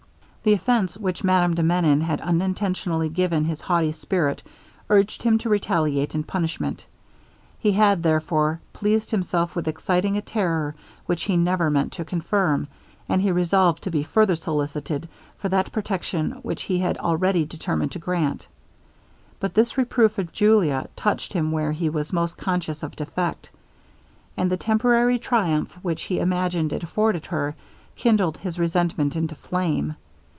The offence which Madame de Menon had unintentionally given his haughty spirit urged him to retaliate in punishment. He had, therefore, pleased himself with exciting a terror which he never meant to confirm, and he resolved to be further solicited for that protection which he had already determined to grant. But this reproof of Julia touched him where he was most conscious of defect; and the temporary triumph which he imagined it afforded her, kindled his resentment into flame.